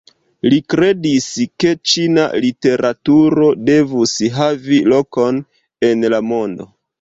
Li kredis ke ĉina literaturo devus havi lokon en la mondo.